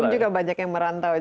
juga banyak yang merantau